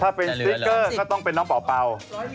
ถ้าเป็นสติ๊กเกอร์ก็ต้องเป็นน้องเป่า